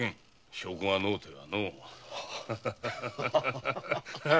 証拠がなくてはのう。